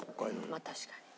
まあ確かに。